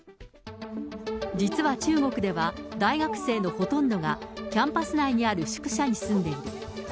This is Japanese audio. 実は中国では、大学生のほとんどが、キャンパス内にある宿舎に住んでいる。